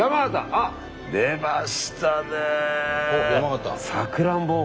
あっ出ましたね！